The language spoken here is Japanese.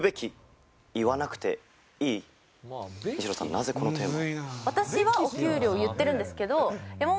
なぜこのテーマを？